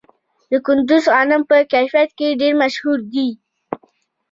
د کندز غنم په کیفیت کې ډیر مشهور دي.